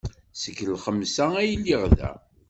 Seg lxemsa ay lliɣ da.